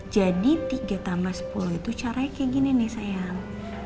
jadi tiga tambah sepuluh itu caranya kayak gini nih sayang